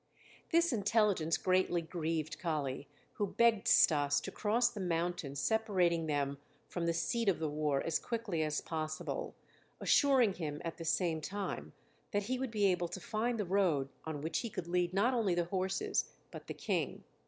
This intelligence greatly grieved Kali, who begged Stas to cross the mountain separating them from the seat of the war as quickly as possible, assuring him, at the same time, that he would be able to find the road on which he could lead not only the horses but the King.